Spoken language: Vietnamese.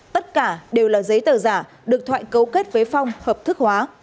tất cả đều là giấy tờ giả được thoại cấu kết với phong hợp thức hóa